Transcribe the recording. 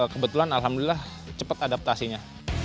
kebetulan alhamdulillah cepat adaptasinya